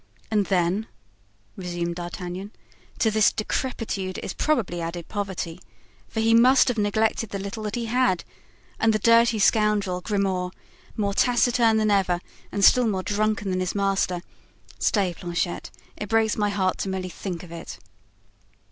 "And then," resumed D'Artagnan, "to this decrepitude is probably added poverty, for he must have neglected the little that he had, and the dirty scoundrel, Grimaud, more taciturn than ever and still more drunken than his master—stay, Planchet, it breaks my heart to merely think of it."